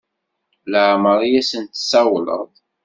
Laɛmeṛ i asen-tessawleḍ?